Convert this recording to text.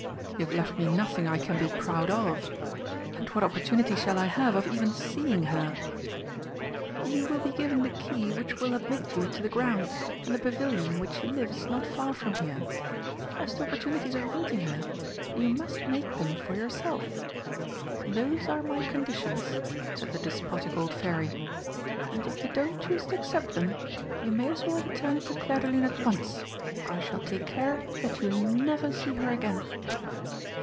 "You have left me nothing I can be proud of. And what opportunity shall I have of even seeing her?" "You will be given the key which will admit you to the grounds, and the pavilion in which she lives is not far from here. As to opportunities of meeting her, you must make them for yourself. Those are my conditions," said the despotic old Fairy, "and if you don't choose to accept them, you may as well return to Clairdelune at once, for I shall take care that you never see her again."